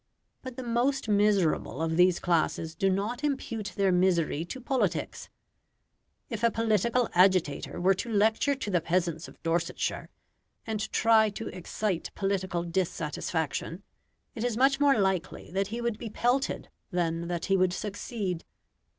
But the most miserable of these classes do not impute their misery to politics. If a political agitator were to lecture to the peasants of Dorsetshire, and try to excite political dissatisfaction, it is much more likely that he would be pelted than that he would succeed.